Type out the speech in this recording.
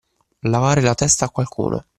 Lavare la testa a qualcuno.